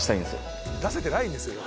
出せてないんですよ。